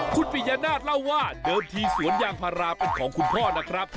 คุณปิยนาศเล่าว่าเดิมทีสวนยางพาราเป็นของคุณพ่อนะครับ